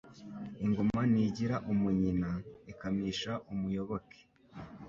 Ingoma ntigira umunyina , ikamisha umuyoboke :